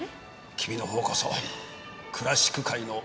君のほうこそクラシック界の女王様だろ？